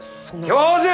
教授！